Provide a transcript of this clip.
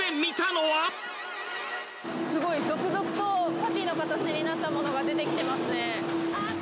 すごい、続々とパティの形になったものが出てきてますね。